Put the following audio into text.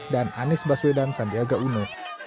dan anies baswedan sandiaga uno